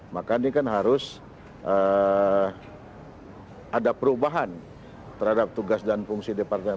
maka ini kan harus ada perubahan terhadap tugas dan fungsi departemen